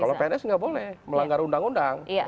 kalau pns nggak boleh melanggar undang undang